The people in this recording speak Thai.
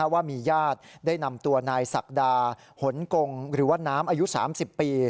ว่ามีญาติได้นำตัวนายศักดาหนกงหรือว่าน้ำอายุ๓๐ปี